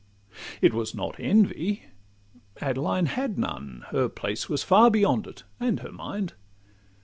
It was not envy—Adeline had none; Her place was far beyond it, and her mind.